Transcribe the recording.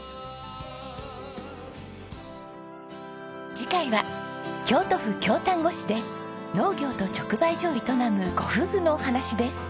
次回は京都府京丹後市で農業と直売所を営むご夫婦のお話です。